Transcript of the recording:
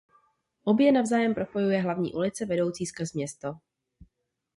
Obě navzájem propojuje hlavní ulice vedoucí skrz město.